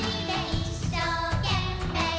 「いっしょうけんめい